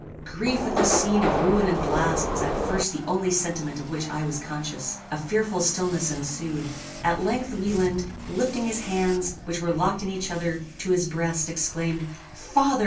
Grief at this scene of ruin and blast was at first the only sentiment of which I was conscious. A fearful stillness ensued. At length Wieland, lifting his hands, which were locked in each other, to his breast, exclaimed, "Father!